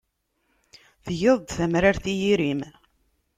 Tgiḍ-d tamrart i yiri-m.